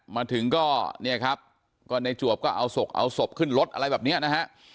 มาถึงก็เนี่ยครับก็ในจวบก็เอาศพเอาศพขึ้นรถอะไรแบบเนี้ยนะฮะ